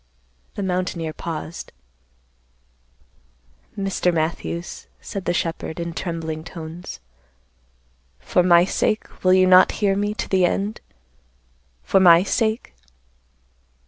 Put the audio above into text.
The mountaineer paused. "Mr. Matthews," said the shepherd, in trembling tones, "for my sake, will you not hear me to the end? for my sake?"